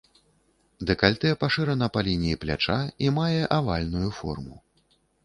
Дэкальтэ пашырана па лініі пляча і мае авальную форму.